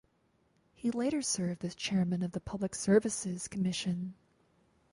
He later served as Chairman of the Public Services Commission.